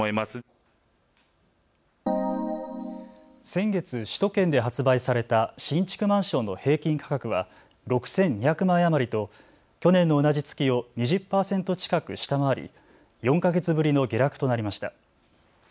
先月、首都圏で発売された新築マンションの平均価格は６２００万円余りと去年の同じ月を２０％近く下回り４か月ぶりの下落となりました。